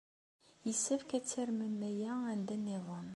Yessefk ad tarmem aya anda niḍen.